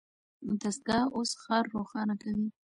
دستګاه اوس ښار روښانه کوي.